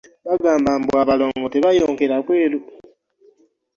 Bagamba mbu abalongo tebayonkera bweru.